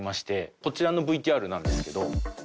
こちらのＶＴＲなんですけど。